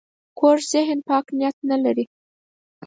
کوږ ذهن پاک نیت نه لري